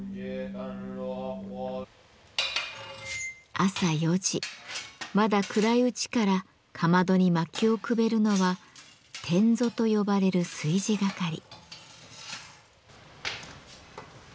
朝４時まだ暗いうちからかまどに薪をくべるのは「典座」と呼ばれる炊事係。